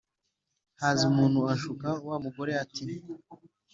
Haza umuntu ashuka wa mugore ati”